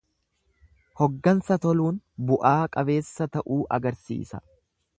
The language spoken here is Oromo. Hoggansa toluun bu'aa qabeessa ta'uu agarsiisa.